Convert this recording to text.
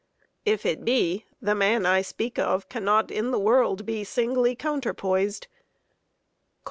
If it be, The man I speak of cannot in the world Be singly counterpoised.